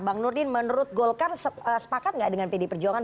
bang nurdin menurut golkar sepakat gak dengan pdi perjuangan